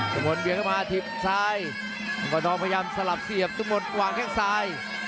ทุกมนต์เบียงเข้ามาทิบซ้ายทุกมนต์พยายามสลับเสียบทุกมนต์หวางแข้งซ้าย